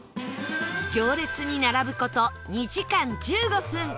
行列に並ぶ事２時間１５分